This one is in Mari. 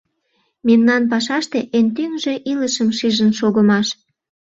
Мемнан пашаште эн тӱҥжӧ — илышым шижын шогымаш.